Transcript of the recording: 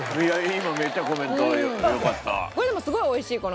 今めっちゃコメントよかったわ。